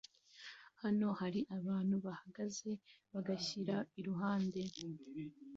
Hano hari abantu bahagaze bagashyira iruhande